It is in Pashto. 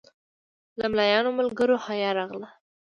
له ملایانو ملګرو حیا راغله.